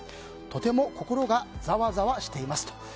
とても心がざわざわしています。